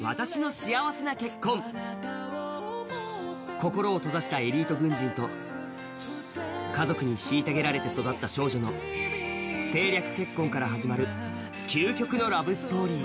心を閉ざしたエリート軍人と家族に虐げられて育った少女の政略結婚から始まる究極のラブストーリー。